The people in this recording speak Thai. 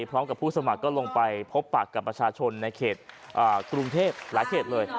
พร้อมกับผู้สมัครก็ลงไปพบปากกับประชาชนในเขตกรุงเทพหลายเขตเลย